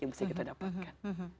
yang mesti kita dapatkan